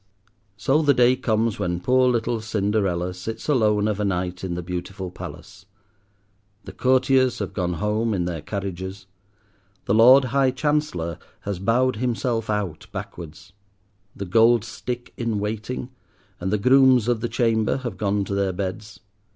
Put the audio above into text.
So the day comes when poor little Cinderella sits alone of a night in the beautiful palace. The courtiers have gone home in their carriages. The Lord High Chancellor has bowed himself out backwards. The Gold Stick in Waiting and the Grooms of the Chamber have gone to their beds.